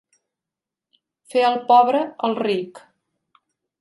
Fer el pobre, el ric.